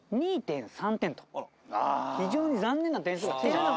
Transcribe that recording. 非常に残念な点数がついちゃった。